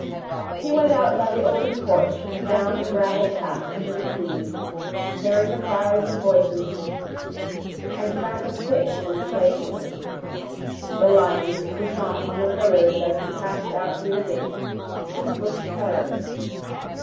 He went out by the open porch and down the gravel path under the trees, hearing the cries of voices and crack of sticks from the playfield. The lions couchant on the pillars as he passed out through the gate: toothless terrors.